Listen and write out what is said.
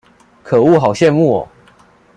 可惡好羨慕喔